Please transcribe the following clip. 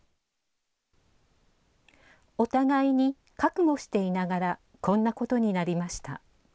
お互いに覚悟していながらこんなことになりました。